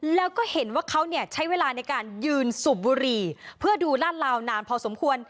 แล้วก็เห็นว่าเขาเนี่ยใช้เวลาในการยืนสูบบุหรี่เพื่อดูลาดลาวนานพอสมควร